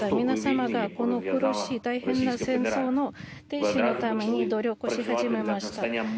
皆様が、苦しい大変な戦争の停止のために努力し始めました。